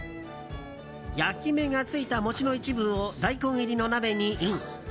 焼き目がついた餅の一部を大根入りの鍋にイン。